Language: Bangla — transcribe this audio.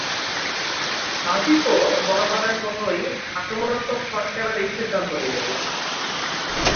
আফিফও বরাবরের মতো আক্রমণাত্মক শট খেলারই সিদ্ধান্ত নিলেন।